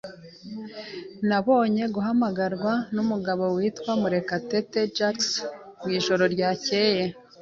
Nabonye guhamagarwa numugabo witwa Murekatete Jackson mwijoro ryakeye.